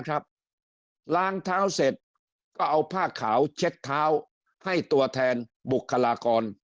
ล้างเท้าเสร็จก็เอาผ้าขาวเช็ดเท้าให้ตัวแทนบุคลากร